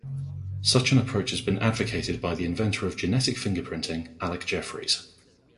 Such an approach has been advocated by the inventor of genetic fingerprinting, Alec Jeffreys.